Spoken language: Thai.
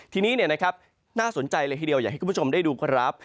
ทีนี้น่าสนใจเลยทีเดียวอยากให้คุณผู้ชมได้ดูครับ